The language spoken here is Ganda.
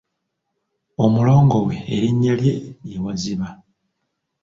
Omulongo we erinnya lye ye Waziba.